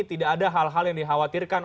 tidak ada hal hal yang dikhawatirkan